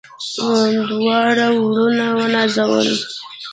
دواړه وروڼه ونازول.